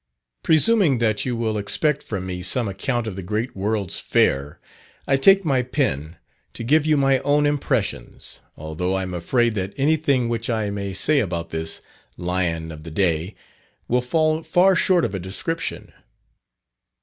Presuming that you will expect from me some account of the great World's Fair, I take my pen to give you my own impressions, although I am afraid that anything which I may say about this "Lion of the day," will fall far short of a description.